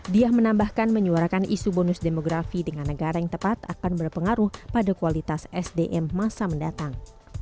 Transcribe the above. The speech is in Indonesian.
diah menambahkan menyuarakan isu bonus demografi dengan negara yang tepat akan berpengaruh pada kualitas sdm masa mendatang